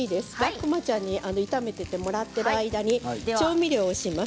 駒ちゃんに炒めてもらっている間に調味料をします。